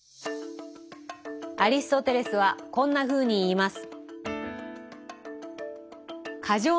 アリストテレスはこんなふうに言います。